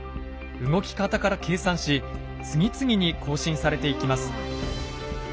動き方から計算し次々に更新されていきます。